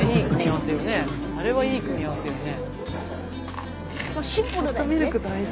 あれはいい組み合わせよね。